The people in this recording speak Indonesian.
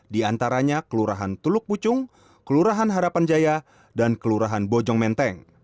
diantaranya kelurahan tuluk pucung kelurahan harapan jaya dan kelurahan bojong menteng